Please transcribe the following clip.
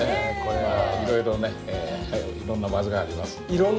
いろいろねいろんな技がありますんで。